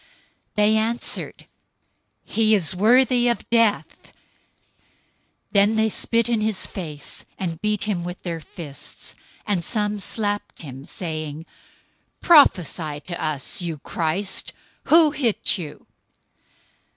They answered, "He is worthy of death!" 026:067 Then they spit in his face and beat him with their fists, and some slapped him, 026:068 saying, "Prophesy to us, you Christ! Who hit you?"